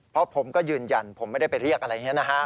เพราะผมก็ยืนยันผมไม่ได้ไปเรียกอะไรอย่างนี้นะฮะ